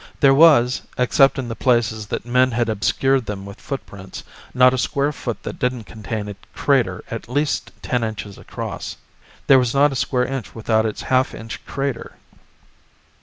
There was except in the places that men had obscured them with footprints not a square foot that didn't contain a crater at least ten inches across, there was not a square inch without its half inch crater.